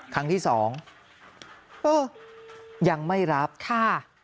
ครั้งที่สองเออยังไม่รับค่ะ